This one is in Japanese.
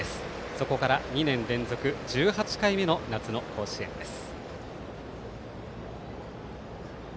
そこから２年連続１８回目の夏の甲子園です。